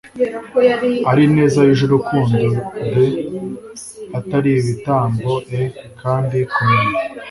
ari ineza yuje urukundo d atari ibitambo e kandi kumenya